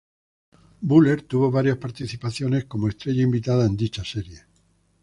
Buller tuvo varias participaciones como estrella invitada en dicha serie.